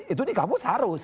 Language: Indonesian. itu di kampus harus